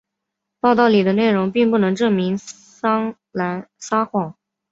报道里的内容并不能证明桑兰撒谎。